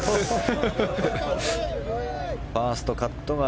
ファーストカットです。